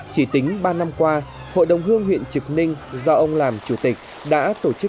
chỉ tính ba năm qua hội đồng hương huyện trực ninh do ông làm chủ tịch đã tổ chức